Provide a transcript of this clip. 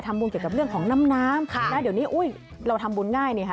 บุญเกี่ยวกับเรื่องของน้ำน้ำเดี๋ยวนี้อุ้ยเราทำบุญง่ายเนี่ยค่ะ